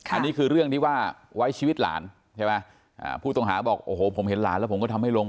อันนี้คือเรื่องที่ว่าไว้ชีวิตหลานใช่ไหมผู้ต้องหาบอกโอ้โหผมเห็นหลานแล้วผมก็ทำให้ลง